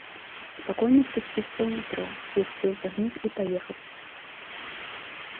Спакойна спусціцца ў метро, сесці ў цягнік і паехаць.